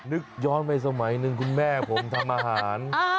นึกย้อนไปสมัยหนึ่งคุณแม่ผมทำอาหาร